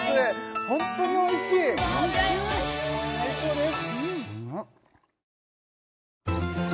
ホントにおいしい最高です